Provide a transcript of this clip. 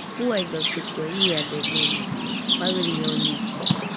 Uaidotɨkue, iadedɨ fairioñede.